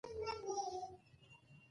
هر هېواد د یوې مشخصې مودې وروسته ارزونه کوي